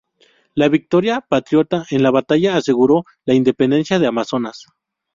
La victoria patriota en la batalla aseguró la independencia de Amazonas.